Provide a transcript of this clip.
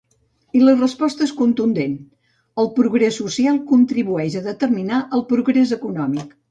I la resposta és contundent: El progrés social contribueix a determinar el progrés econòmic.